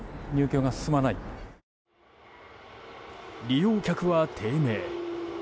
利用客は低迷。